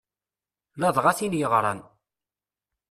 Ladɣa tin yeɣran.